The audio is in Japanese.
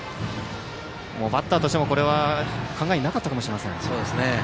バッターとしても、これは考えになかったかもしれません。